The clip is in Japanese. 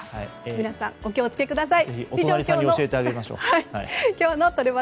皆さん、お気を付けください。